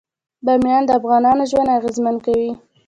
بامیان د افغانانو ژوند اغېزمن کوي.